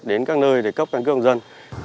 đến các nơi để cấp căn cước công dân